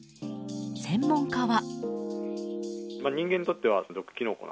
専門家は。